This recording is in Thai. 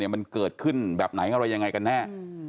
มันเกิดขึ้นแบบไหนอะไรยังไงกันแน่